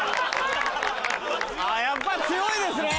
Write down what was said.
やっぱ強いですね。